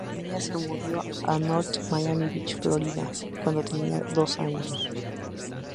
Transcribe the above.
Su familia se mudó a North Miami Beach, Florida, cuando tenía dos años.